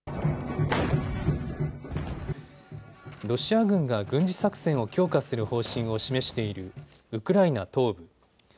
ロシア軍が軍事作戦を強化する方針を示しているウクライナ東部。